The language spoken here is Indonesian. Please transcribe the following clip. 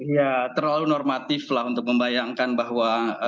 ya terlalu normatiflah untuk membayangkan bahwa